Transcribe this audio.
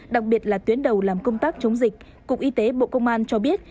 đặc biệt là tuyến đầu làm công tác chống dịch cục y tế bộ công an cho biết